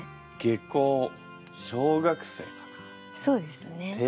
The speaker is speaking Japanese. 下校そうですね。